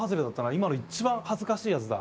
今の一番恥ずかしいやつだ。